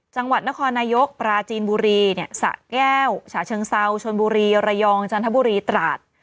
จังหวัดนครนายกปราจีนบุรีสะแก้วฉะเชิงเซาชนบุรีระยองจันทบุรีตราด